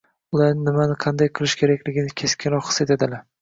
ular nimani qanday qilish keraligini keskinroq his etadilar.